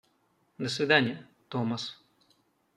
До свидания, Томас.